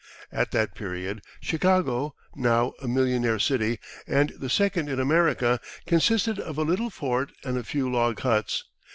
At that period, Chicago, now a "Millionaire city," and the second in America, consisted of a little fort and a few log huts.